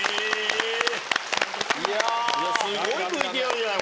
いやすごいＶＴＲじゃない？